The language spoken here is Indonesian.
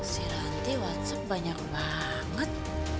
si ranti whatsapp banyak banget